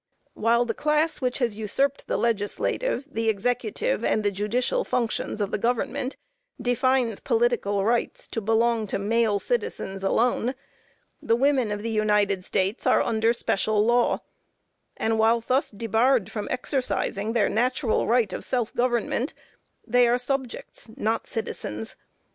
While the class which has usurped the legislative, the executive and the judicial functions of the government, defines political rights to belong to male citizens alone, the women of the United States are under special law; and while thus debarred from exercising their natural right of self government, they are subjects, not citizens.